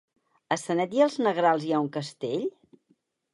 A Sanet i els Negrals hi ha un castell?